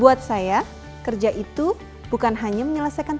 buat saya kerja itu bukan hanya menyelesaikan